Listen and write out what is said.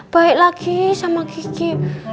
baik lagi sama kiki